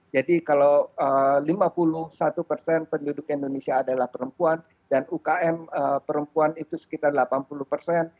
jadi kalau lima puluh satu persen penduduk indonesia adalah perempuan dan ukm perempuan itu sekitar delapan puluh persen